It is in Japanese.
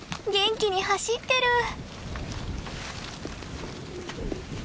元気に走ってる。